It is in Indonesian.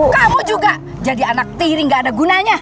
kamu juga jadi anak tiri gak ada gunanya